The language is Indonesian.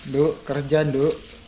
du kerjaan du